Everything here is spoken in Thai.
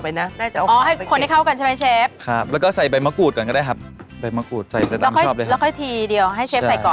ได้ค่ะตามชอบเลยไปครับส่วนดิ